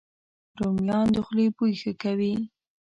رومیان د خولې بوی ښه کوي